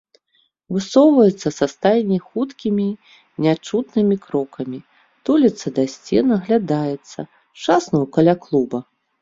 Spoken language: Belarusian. Высоўваецца са стайні хуткімі нячутнымі крокамі, туліцца да сцен, аглядаецца, шаснуў каля клуба.